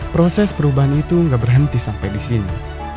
proses perubahan itu gak berhenti sampai disini